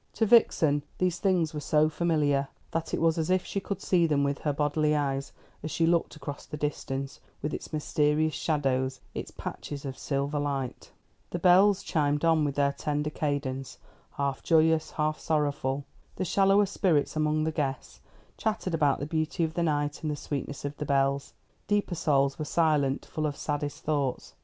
To Vixen these things were so familiar, that it was as if she could see them with her bodily eyes, as she looked across the distance, with its mysterious shadows, its patches of silver light. The bells chimed on with their tender cadence, half joyous, half sorrowful. The shallower spirits among the guests chattered about the beauty of the night, and the sweetness of the bells. Deeper souls were silent, full of saddest thoughts.